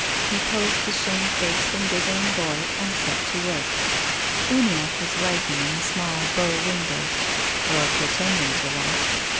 He posed the shamefaced and giggling boy and set to work. Uniackc was writing in the small bow window, or 86 TONGUES OF CONSCIENCE. pretending to write.